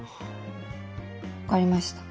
分かりました。